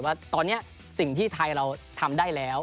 ว่าตอนนี้สิ่งที่ไทยเราทำได้แล้ว